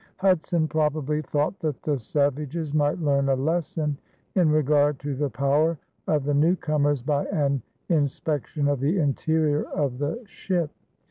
Hudson probably thought that the savages might learn a lesson in regard to the power of the newcomers by an inspection of the interior of the ship.